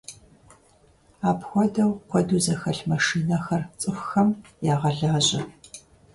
Апхуэдэу куэду зэхэлъ машинэхэр цӀыхухэм ягъэлажьэ.